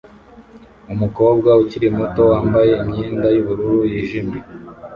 Umukobwa ukiri muto wambaye imyenda yubururu yijimye